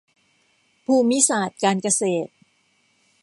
ภูมิศาสตร์การเกษตร